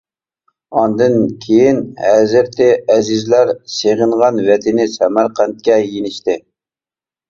ئاندىن كېيىن ھەزرىتى ئەزىزلەر سېغىنغان ۋەتىنى سەمەرقەنتكە يېنىشتى.